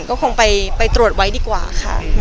ก็คงไปตรวจไว้ดีกว่าค่ะ